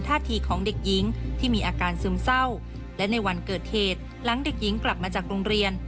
ท่าทีของเด็กหญิงที่มีอาการซึมเศร้าและในวันเกิดเหตุหลังเด็กหญิงกลับมาจากโรงเรียน